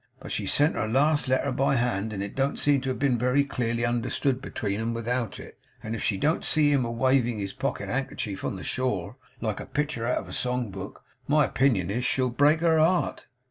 But she sent her last letter by hand, and it don't seem to have been very clearly understood between 'em without it, and if she don't see him a waving his pocket handkerchief on the shore, like a pictur out of a song book, my opinion is, she'll break her heart.